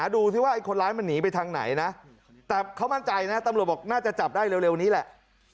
ดูสิว่าคนร้ายมันหนีไปทางไหนนะแต่เขามั่นใจนะตำรวจบอกน่าจะจับได้เร็วนี้แหละ